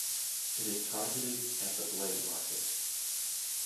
It is targeted at the "blade" market.